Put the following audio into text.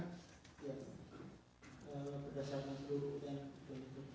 ya berdasarkan seluruh konten yang terdiri di atas